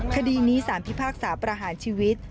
คดีนี้สารพิพากษาประหารชีวิต